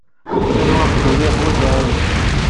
Asaru aqbayli yeḥwaǧ aɛiwen.